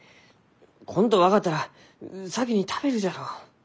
来んと分かったら先に食べるじゃろう。